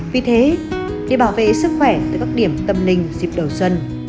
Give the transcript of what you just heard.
vì thế để bảo vệ sức khỏe tại các điểm tâm linh dịp đầu xuân